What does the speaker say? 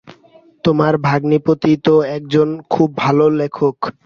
তোমার ভগিনীপতি তো একজন খুব ভাল লেখক।